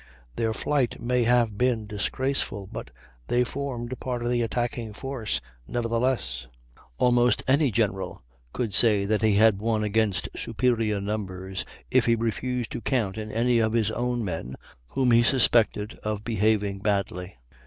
Their flight may have been disgraceful, but they formed part of the attacking force nevertheless; almost any general could say that he had won against superior numbers if he refused to count in any of his own men whom he suspected of behaving badly.